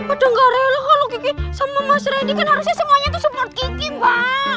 aduh gila kalau kiki sama mas rendy kan harusnya semuanya support kiki mbak